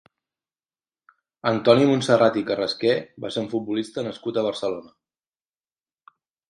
Antoni Montserrat i Carrasqué va ser un futbolista nascut a Barcelona.